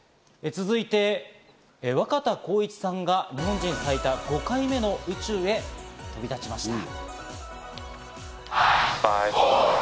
続いて若田光一さんが日本人最多５回目の宇宙へ飛び立ちました。